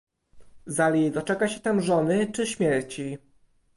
"Zali doczeka się tam żony, czy śmierci?"